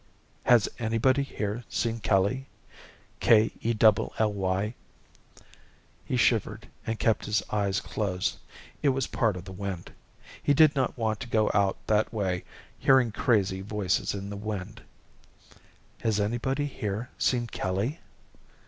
"'Has anybody here seen Kelly? K E double L Y?'" He shivered and kept his eyes closed. It was part of the wind. He did not want to go out that way, hearing crazy voices in the wind. "'Has anybody here seen Kelly